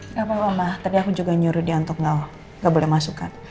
nggak apa apa ma tadi aku juga nyuruh dia untuk nggak boleh masuk kan